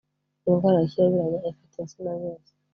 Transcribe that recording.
Indwara ya Kirabiranya ifata insina zose